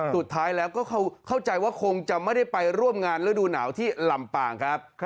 สุดท้ายแล้วก็เข้าใจว่าคงจะไม่ได้ไปร่วมงานฤดูหนาวที่ลำปางครับ